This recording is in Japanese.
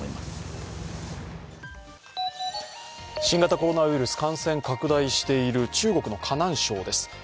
新型コロナウイルス感染拡大している中国の河南省です。